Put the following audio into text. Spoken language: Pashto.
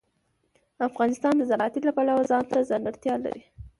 افغانستان د زراعت له پلوه ځانته ځانګړتیا لري.